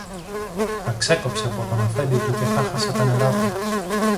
Θα ξέκοψε από τον αφέντη του και θάχασε τα νερά του